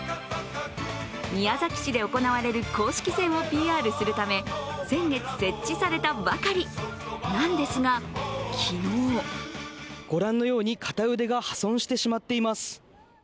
宮崎市で行われる公式戦をＰＲするため、先月設置されたばかりなんですが、昨日ご覧のように、片腕が破損してしまっています。